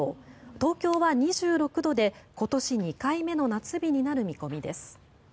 東京は２６度で今年２回目の夏日になる見込みです。